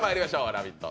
「ラヴィット！」